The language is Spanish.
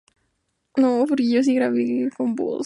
En años sucesivos interviene en numerosos títulos mudos.